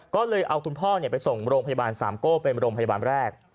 ก็เลยเอาคุณพ่อไปส่งโรงพยาบาลสามโก้เป็นโรงพยาบาลแรก